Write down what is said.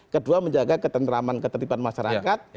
kedua menjaga ketentraman ketertiban masyarakat